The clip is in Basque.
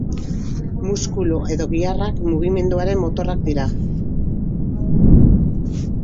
Muskulu edo giharrak mugimenduaren motorrak dira.